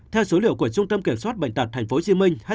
theo số liệu của trung tâm kiểm soát bệnh tật thành phố hồ chí minh